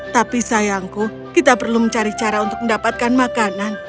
tapi sayangku kita perlu mencari cara untuk mendapatkan makanan